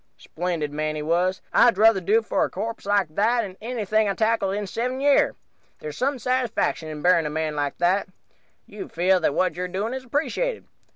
"Splendid man, he was. I'd druther do for a corpse like that 'n any I've tackled in seven year. There's some satisfaction in buryin' a man like that. You feel that what you're doing is appreciated.